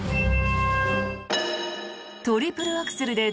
トリプルアクセル。